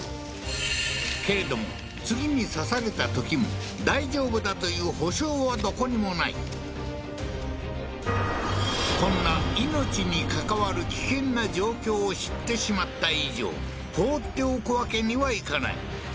けれども次に刺されたときも大丈夫だという保証はどこにも無いこんな命に関わる危険な状況を知ってしまった以上放っておくわけにはいかない